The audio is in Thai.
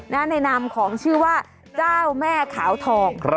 ในนามของชื่อว่าเจ้าแม่ขาวทอง